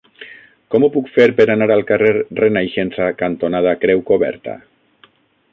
Com ho puc fer per anar al carrer Renaixença cantonada Creu Coberta?